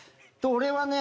俺はね